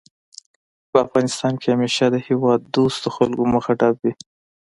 په افغانستان کې همېشه د هېواد دوستو خلکو مخه ډب وي